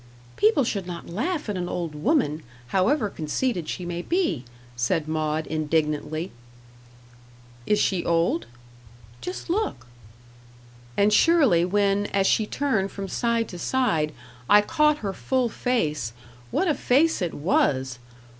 "People should not laugh at an old woman, however conceited she may be," said Maud, indignantly. "Is she old?" "Just look." And surely when, as she turned from side to side, I caught her full face what a face it was!